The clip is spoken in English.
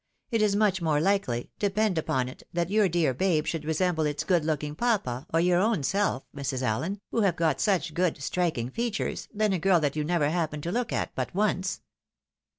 It is much more likely, depend upon it, that your dear babe should resemble its good looking papa, or your own self, Mrs. AUen, who have got such good, striking features, than a girl that you never happened to look at but once."